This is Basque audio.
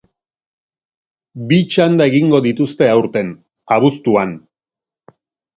Bi txanda egingo dituzte aurten, abuztuan.